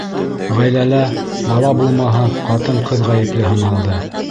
Ғаиләлә бала булмаһа, ҡатын-ҡыҙ ғәйепле һаналды.